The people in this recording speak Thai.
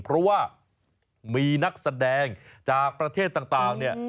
เพราะว่ามีนักแสดงจากประเทศต่างเนี่ย